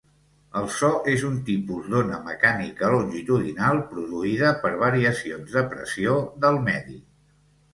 El so és un tipus d'ona mecànica longitudinal produïda per variacions de pressió del medi.